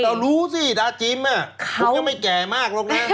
เรารู้สิดาจิมคุณก็ไม่แก่มากหรอกนะ